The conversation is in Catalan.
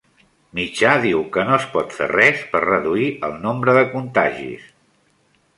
Mitjà diu que no es pot fer res per reduir el nombre de contagis